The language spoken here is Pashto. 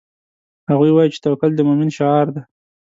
هغوی وایي چې توکل د مومن شعار ده